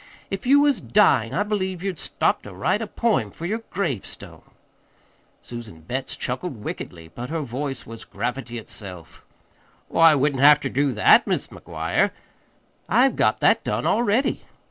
"If you was dyin' I believe you'd stop to write a poem for yer gravestone!" Susan Betts chuckled wickedly, but her voice was gravity itself. "Oh, I wouldn't have ter do that, Mis' McGuire. I've got that done already."